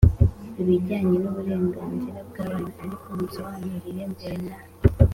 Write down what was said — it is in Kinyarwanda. ibijyanye n'uburenganzira bw'abana. ariko munsobanurire mbere na